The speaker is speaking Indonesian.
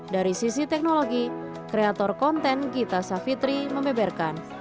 dari sisi teknologi kreator konten gita savitri membeberkan